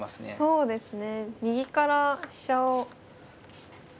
そうですね。